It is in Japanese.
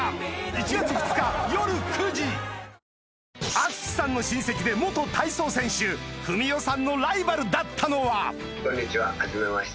淳さんの親戚で体操選手富美雄さんのライバルだったのは？